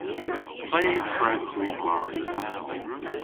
Ple hwrewgh hwi gwari?